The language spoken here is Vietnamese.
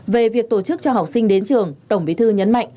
về việc tổ chức cho học sinh đến trường tổng bí thư nhấn mạnh